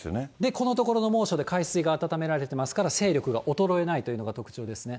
このところの猛暑で海水があたためられていますから、勢力が衰えないというのが特徴ですね。